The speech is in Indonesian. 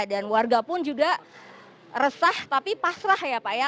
dan warga pun juga resah tapi pasrah ya pak ya